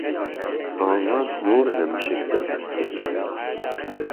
ئازاد زۆر لە مشک دەترسێت.